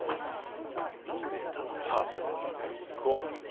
さあ食おう。